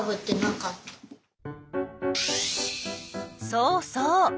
そうそう。